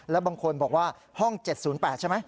แล้วบางคนบอกว่าห้อง๗๐๘ใช่ไหม